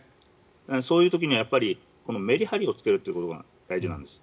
そういう時にはメリハリをつけるということが大事なんです。